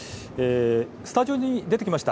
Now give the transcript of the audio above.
スタジオに出てきました